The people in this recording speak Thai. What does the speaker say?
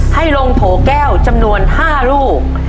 ให้ลงโถแก้วจำนวน๕ลูก